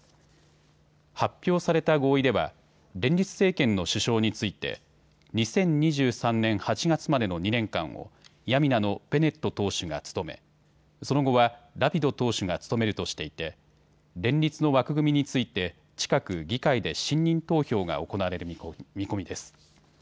発表された合意では連立政権の首相について２０２３年８月までの２年間をヤミナのベネット党首が務めその後はラピド党首が務めるとしていて連立の枠組みについて近く議会で信任投票が行われる見込みです。